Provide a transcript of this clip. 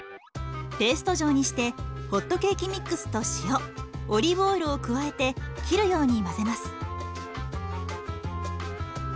ペースト状にしてホットケーキミックスと塩オリーブオイルを加えて切るように混ぜます。